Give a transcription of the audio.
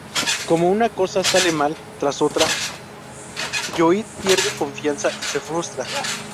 Como una cosa sale mal tras otra, Lloyd pierde confianza y se frustra.